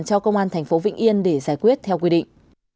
cho công an thành phố vĩnh yên để giải quyết theo quy định